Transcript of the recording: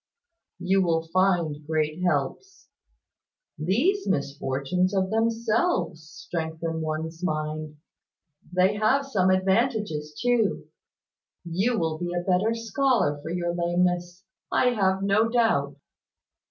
"You will find great helps. These misfortunes, of themselves, strengthen one's mind. They have some advantages too. You will be a better scholar for your lameness, I have no doubt.